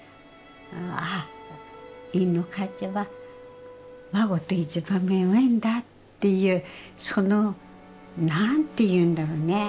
ああかっちゃはわごと一番めごいんだっていうその何ていうんだろうね。